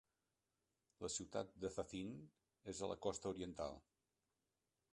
La ciutat de Zacint és a la costa oriental.